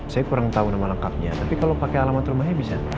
saya kurang tahu nama lengkapnya tapi kalau pakai alamat rumahnya bisa